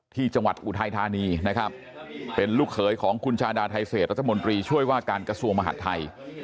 อุทัยธานีนะครับเป็นลูกเขยของคุณชาดาไทเศษรัฐมนตรีช่วยว่าการกระทรวงมหาดไทย